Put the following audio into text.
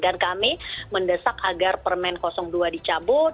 dan kami mendesak agar permen dua dicabut